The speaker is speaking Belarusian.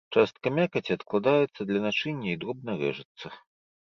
Частка мякаці адкладаецца для начыння і дробна рэжацца.